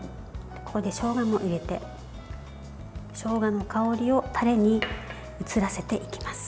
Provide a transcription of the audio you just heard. ここでしょうがも入れてしょうがの香りをタレに移らせていきます。